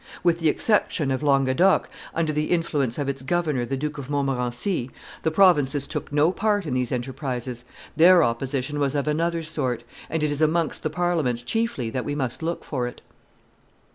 With the exception of Languedoc, under the influence of its governor the Duke of Montmorency, the provinces took no part in these enterprises; their opposition was of another sort; and it is amongst the parliaments chiefly that we must look for it.